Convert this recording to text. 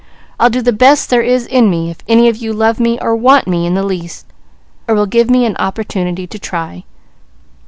I'll do the best there is in me, if any of you love me, or want me in the least, or will give me an opportunity to try."